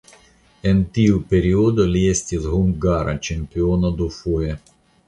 En tiu periodo li estis hungara ĉampiono dufoje.